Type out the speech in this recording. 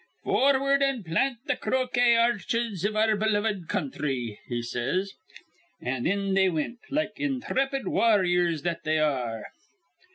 'Forward, an' plant th' crokay ar rches iv our beloved counthry,' he says. An' in they wint, like inthrepid warryors that they ar re.